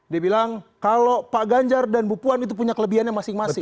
dia bilang kalau pak ganjar dan bu puan itu punya kelebihannya masing masing